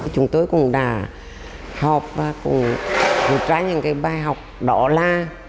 chúng tôi cũng đã học và cũng trả những cái bài học đó là